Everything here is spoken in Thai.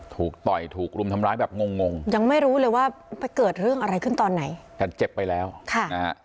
ต่อยถูกรุมทำร้ายแบบงงงยังไม่รู้เลยว่าไปเกิดเรื่องอะไรขึ้นตอนไหนแต่เจ็บไปแล้วค่ะนะฮะ